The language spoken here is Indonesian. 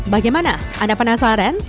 bagaimana anda penasaran